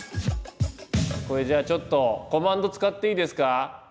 これじゃあちょっとコマンド使っていいですか？